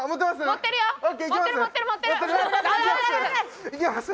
持ってる持ってる持ってる！いけます！